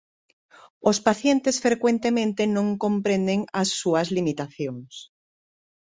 Os pacientes frecuentemente non comprenden as súas limitacións.